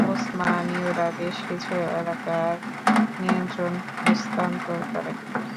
উসমানীয়রা বেশ কিছু এলাকার নিয়ন্ত্রণ হস্তান্তর করে।